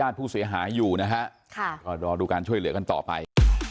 ผู้เสียหายอยู่นะฮะค่ะก็รอดูการช่วยเหลือกันต่อไป